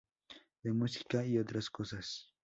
De música... y otras cosas.